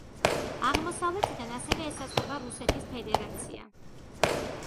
აღმოსავლეთიდან ასევე ესაზღვრება რუსეთის ფედერაცია.